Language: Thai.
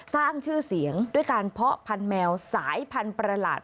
สร้างชื่อเสียงด้วยการเพาะพันธแมวสายพันธุ์ประหลาด